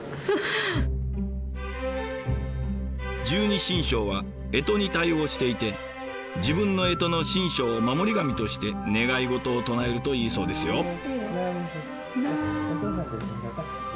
十二神将は干支に対応していて自分の干支の神将を守り神として願い事を唱えるといいそうですよ。